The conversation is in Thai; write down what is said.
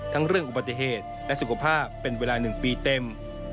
ทั้งเรื่องอุปัฏเทศและสุขภาพเป็นเวลาหนึ่งปีเต็ม